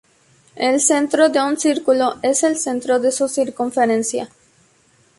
El centro de un círculo es el centro de su circunferencia.